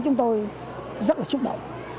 chúng tôi rất là xúc động